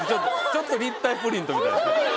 ちょっと立体プリントみたいなホントだ！